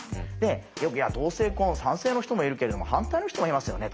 よく同性婚賛成の人もいるけれども反対の人もいますよねと。